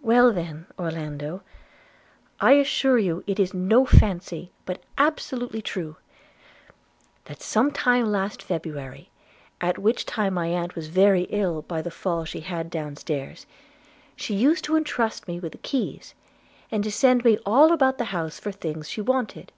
'Well then, Orlando, I assure you it is no fancy, but absolutely true, that some time last February, at which time my aunt was very ill by the fall she had down stairs, she used to intrust me with the keys, and to send me all about the house for things she wanted.